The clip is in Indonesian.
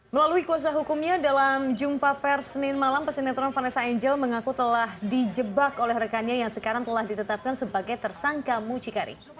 melalui kuasa hukumnya dalam jumpa per senin malam pesinetron vanessa angel mengaku telah dijebak oleh rekannya yang sekarang telah ditetapkan sebagai tersangka mucikari